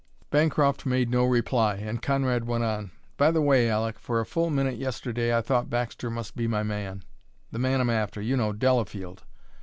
Bancroft made no reply and Conrad went on: "By the way, Aleck, for a full minute yesterday I thought Baxter must be my man the man I'm after, you know Delafield.